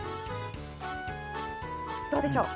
どうでしょう？